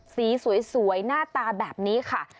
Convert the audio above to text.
สีสวยหน้าตาแบบนี้ค่ะ